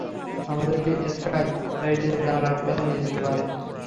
আমাদেরকে স্কাইলাইটের জানালার কাছে নিয়ে যেতে পারবে?